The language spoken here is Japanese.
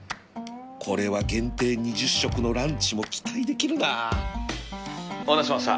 これは限定２０食のランチも期待できるなお待たせしました。